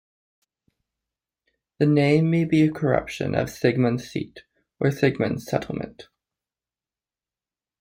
The name may be a corruption of "Sigemund's seat" or "Sigemund's settlement".